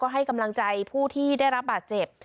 ให้กำลังใจผู้ที่ได้รับบาดเจ็บ